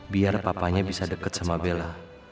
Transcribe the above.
biar papanya bisa deket sama bella